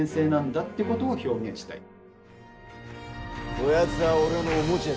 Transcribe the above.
こやつは俺のおもちゃじゃ。